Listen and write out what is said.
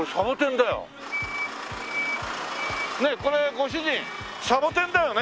ねえこれご主人サボテンだよね？